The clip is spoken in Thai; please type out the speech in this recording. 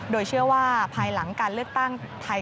โดยเชื่อว่าภายหลังการเลือกตั้งไทย